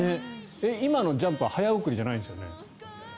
今のジャンプは早送りじゃないんですよね。